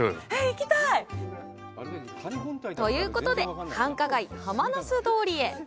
行きたーい！ということで、繁華街・はまなす通りへ。